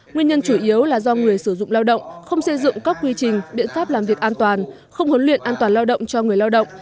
nguyên nhân chủ yếu là do người sử dụng lao động không xây dựng các quy trình biện pháp làm việc an toàn không huấn luyện an toàn lao động cho người lao động